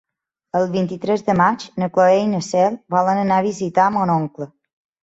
El vint-i-tres de maig na Cloè i na Cel volen anar a visitar mon oncle.